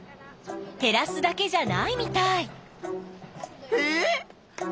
へらすだけじゃないみたい。